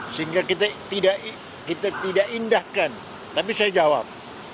sehingga kita tidak indahkan tapi saya jawab